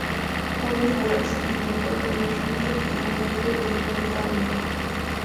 Pudo fugarse, intentó reunir gente, y finalmente debió huir a Bolivia.